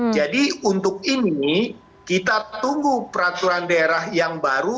jadi untuk ini kita tunggu peraturan daerah yang baru